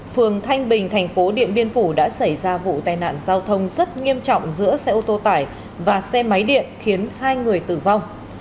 phường thanh bình thành phố điện biên phủ đã xảy ra vụ tai nạn giao thông rất nghiêm trọng giữa xe ô tô tải và xe máy điện khiến hai người tử vong